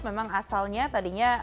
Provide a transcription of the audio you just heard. memang asalnya tadinya